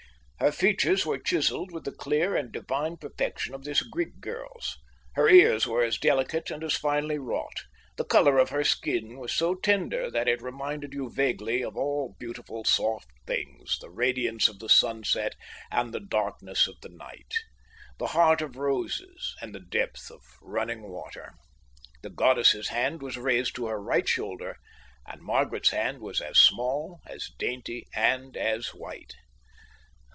Her features were chiselled with the clear and divine perfection of this Greek girl's; her ears were as delicate and as finely wrought. The colour of her skin was so tender that it reminded you vaguely of all beautiful soft things, the radiance of sunset and the darkness of the night, the heart of roses and the depth of running water. The goddess's hand was raised to her right shoulder, and Margaret's hand was as small, as dainty, and as white.